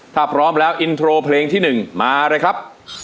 ถ้าพร้อมแล้วอินโทรเพลงที่๑มาเลยครับ